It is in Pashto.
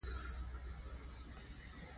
با سواده ښځه دټولنې څراغ ده